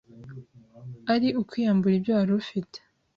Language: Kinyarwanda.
ari ukwiyambura ibyo wari ufite,